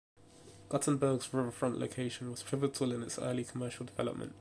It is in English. Guttenberg's riverfront location was pivotal in its early commercial development.